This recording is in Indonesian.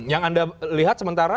yang anda lihat sementara